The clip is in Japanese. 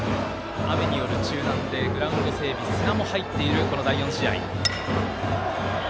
雨による中断でグラウンド整備、砂も入っているこの第４試合。